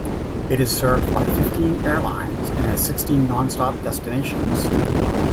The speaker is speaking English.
It is served by fifteen airlines and has sixteen non-stop destinations.